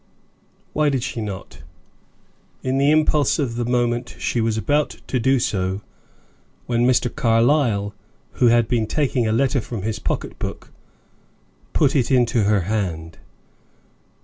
Why did she not? In the impulse of the moment she was about to do so, when Mr. Carlyle, who had been taking a letter from his pocket book put it into her hand.